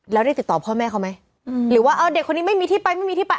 แล้วได้ติดต่อพ่อแม่เขาไหมหรือว่าเอาเด็กคนนี้ไม่มีที่ไปไม่มีที่ไป